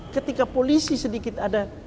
ketika polisi sedikit ada